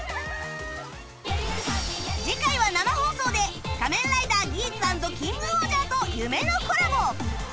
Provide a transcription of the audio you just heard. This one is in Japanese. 次回は生放送で『仮面ライダーギーツ』＆『キングオージャー』と夢のコラボ！